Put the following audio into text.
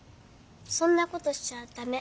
そんなことしちゃだめ。